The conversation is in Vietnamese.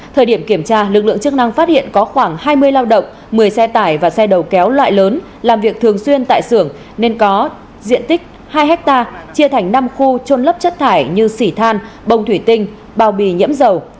thời điểm kiểm tra lực lượng chức năng phát hiện có khoảng hai mươi lao động một mươi xe tải và xe đầu kéo loại lớn làm việc thường xuyên tại xưởng nên có diện tích hai hectare chia thành năm khu trôn lấp chất thải như xỉ than bông thủy tinh bao bì nhiễm dầu